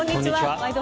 「ワイド！